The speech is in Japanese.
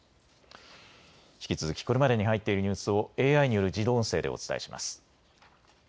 引き続きこれまでに入っているニュースをＡＩによる自動音声でお伝えします。